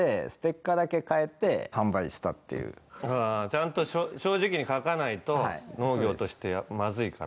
ちゃんと正直に書かないと農業としてやっぱまずいから。